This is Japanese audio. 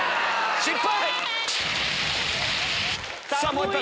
失敗！